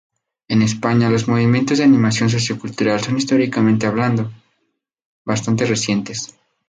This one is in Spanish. En España los movimientos de Animación Sociocultural son históricamente hablando, bastante recientes.